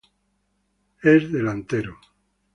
Es delantero.